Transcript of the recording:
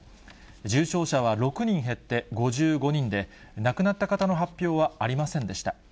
重症者は６人減って５５人で、亡くなった方の発表はありませんでした。